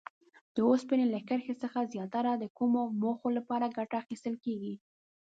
د اوسپنې له کرښې څخه زیاتره د کومو موخو لپاره ګټه اخیستل کیږي؟